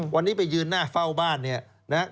วันนี้ไปยืนหน้าเฝ้าบ้าน